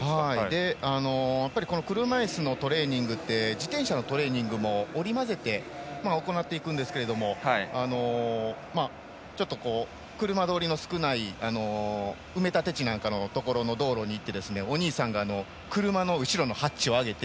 やっぱり車いすのトレーニングって自転車のトレーニングも織り交ぜて行っていくんですけれどもちょっと、車通りの少ない埋立地なんかの道路に行ってお兄さんが車の後ろのハッチを上げて。